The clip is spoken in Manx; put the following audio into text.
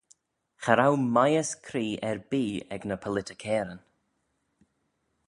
Cha row mieys cree erbee ec ny politickeyryn.